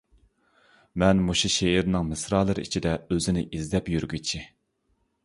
مەن مۇشۇ شېئىرنىڭ مىسرالىرى ئىچىدە ئۆزىنى ئىزدەپ يۈرگۈچى.